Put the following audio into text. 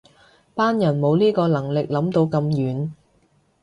班人冇呢個能力諗到咁遠